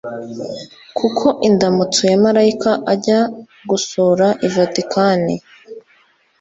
kuko indamutso ya malayika ajya gusura ivatikani